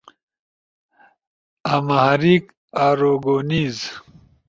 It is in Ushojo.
آمہاریک، آروگونیز